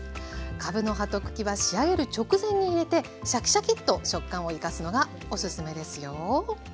かぶの葉と茎は仕上げる直前に入れてシャキシャキッと食感を生かすのがおすすめですよ。